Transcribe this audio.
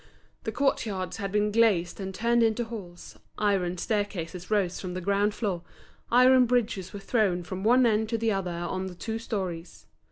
The court yards had been glazed and turned into halls, iron staircases rose from the ground floor, iron bridges were thrown from one end to the other on the two storeys.